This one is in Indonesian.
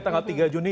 tanggal tiga juni